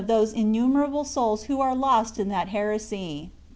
those innumerable souls who are lost in that heresy.